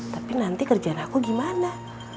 tapi nanti kerjaan aku gimana